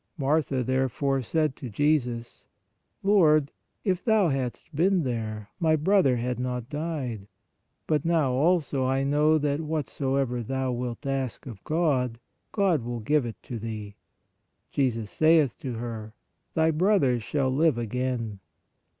Martha therefore said to Jesus : Lord, if Thou hadst been here, my brother had not died. But now also I know that whatsoever Thou wilt ask of God, God will give it to Thee. Jesus saith to her: Thy brother shall live again.